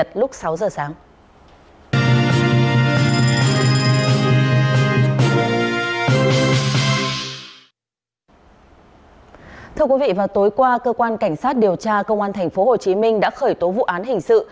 thưa quý vị vào tối qua cơ quan cảnh sát điều tra công an tp hcm đã khởi tố vụ án hình sự